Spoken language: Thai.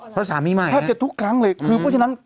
ภาพดิจัดทุกครั้งเลยคือเพราะฉะนั้น